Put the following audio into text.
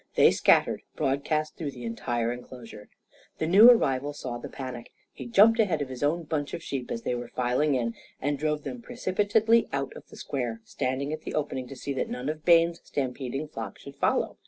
They scattered broadcast through the entire enclosure. The new arrival saw the panic. He jumped ahead of his own bunch of sheep as they were filing in, and drove them precipitately out of the square, standing at the opening to see that none of Bayne's stampeding flock should follow.